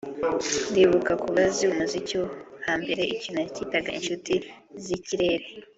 ndibuka ku bazi umuziki wo hambere ikintu bitaga inshuti z’ikirere